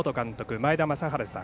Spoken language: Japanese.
前田正治さん。